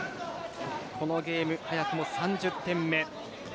このゲーム、早くも３０点目。